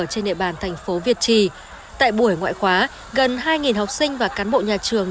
trên địa bàn thành phố việt trì tại buổi ngoại khóa gần hai học sinh và cán bộ nhà trường